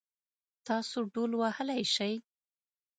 تاسو ډهول وهلی شئ؟